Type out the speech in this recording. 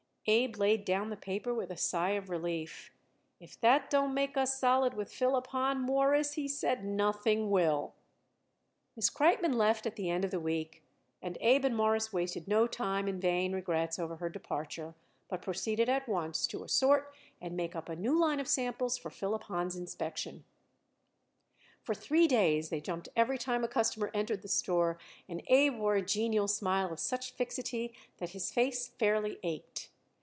Abe laid down the paper with a sigh of relief. "If that don't make us solid with Philip Hahn, Mawruss," he said, "nothing will." Miss Kreitmann left at the end of the week, and Abe and Morris wasted no time in vain regrets over her departure, but proceeded at once to assort and make up a new line of samples for Philip Hahn's inspection. For three days they jumped every time a customer entered the store, and Abe wore a genial smile of such fixity that his face fairly ached.